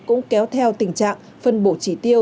cũng kéo theo tình trạng phân bộ chỉ tiêu